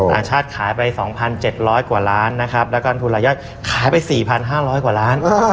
ต่างชาติขายไป๒๗๐๐กว่าล้านนะครับแล้วก็ลงทุนรายยอดขายไป๔๕๐๐กว่าล้าน